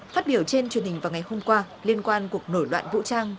phát biểu trên truyền hình vào ngày hôm qua liên quan cuộc nổi loạn vũ trang